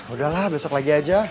udahlah besok lagi aja